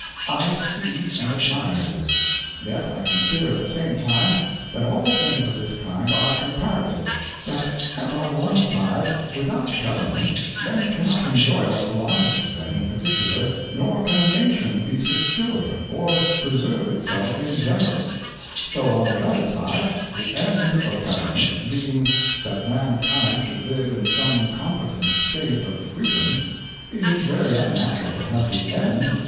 I see and admire this ; yet I consider at the same time, that all things of this kind are comparative : That as on one_sidej without Government Men cannot finjoy what.bdongetL, tCLlheiii in particular, nor can a Nation be secure, or preserve it self in general: So on the other side, the end oi Government being, that Mankind should live in some competent State of Freedom, it is very unnatural to have the j^wc?